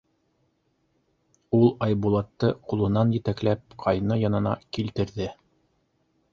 — Ул Айбулатты ҡулынан етәкләп, ҡайны янына килтерҙе: